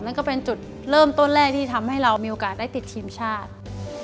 นั่นก็เป็นจุดเริ่มต้นแรกที่ทำให้เรามีโอกาสได้ติดทีมชาติ